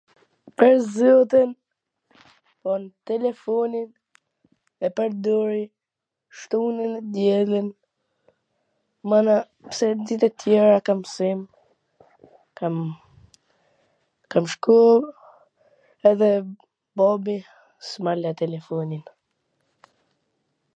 Pwr zotin, un telefonin e pwrdori t shtunwn e t dielwn, mana pse ditt e tjera kam msim, kam shkoll edhe babi s ma le telefonin.